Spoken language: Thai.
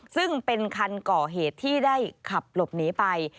ซึ่งเป็นคันก่อเหตุที่ได้ขับหลบหนีไป